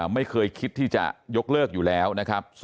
ไม่เคยคิดที่จะยกเลิกอยู่แล้วนะครับ